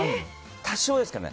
多少ですね。